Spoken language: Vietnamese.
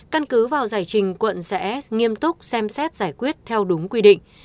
căn cứ vào giải trình quận sẽ nghiêm túc xem xét giải quyết theo đúng quy định